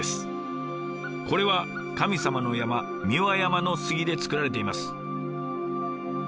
これは神様の山三輪山の杉で作られています。